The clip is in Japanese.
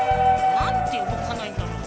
なんでうごかないんだろう？